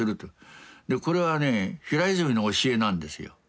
これはね平泉の教えなんですよ。